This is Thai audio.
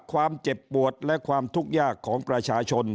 ความเจ็บปวดและความทุกข์ยากของประชาชน